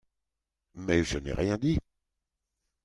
Mais je n’ai rien dit